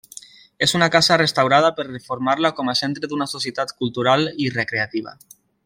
És una casa restaurada per reformar-la com a centre d'una Societat cultural i Recreativa.